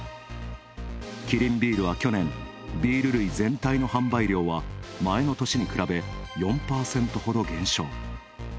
キリンビールは去年ビール類全体の販売量は前の年に比べ、４％ほど減少。